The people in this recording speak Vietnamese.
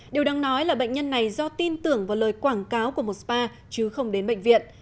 điều đáng nói là bệnh nhân này do tin tưởng vào lời quảng cáo của một spa chứ không đến bệnh viện